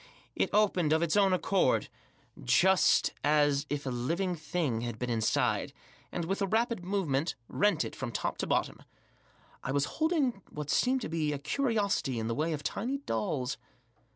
it opened of its own accord, just as Digitized by if a living thing had been Inside, and, with a rapid movement, rent it from top to bottom. I was holding what seemed to be a curiosity in the way of tiny dolls.